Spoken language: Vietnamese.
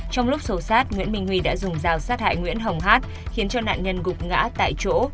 trong lúc xấu xát nguyễn minh huy đã dùng rào sát hại nguyễn hồng hát khiến cho nạn nhân gục ngã tại chỗ